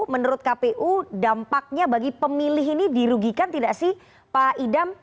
menurut kpu dampaknya bagi pemilih ini dirugikan tidak sih pak idam